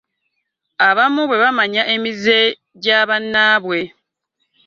Abamu bwe bamanya emize gya bannnabwe .